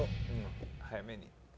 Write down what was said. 早めに。